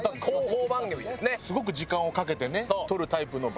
すごく時間をかけてね撮るタイプの番組で。